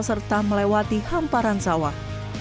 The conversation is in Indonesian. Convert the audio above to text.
serta melewati hamparan sawah